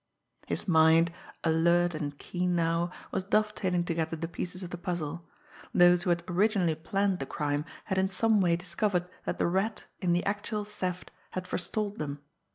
His mind, alert and keen now, was dovetailing together the pieces of the puzzle. Those who had originally planned the crime had in some way discovered that the Rat, in the actual theft, had forestalled them.